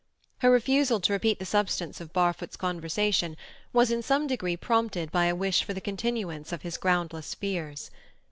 Her refusal to repeat the substance of Barfoot's conversation was, in some degree, prompted by a wish for the continuance of his groundless fears.